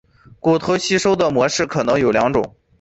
骨头吸收的模式可能有两种。